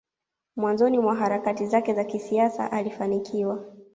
mwanzoni mwa harakati zake za kisiasa alifanikiwa